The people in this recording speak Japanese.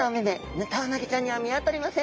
ヌタウナギちゃんには見当たりません。